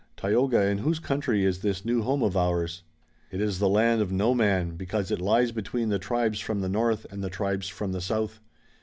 Tayoga, in whose country is this new home of ours?" "It is the land of no man, because it lies between the tribes from the north and the tribes from the south.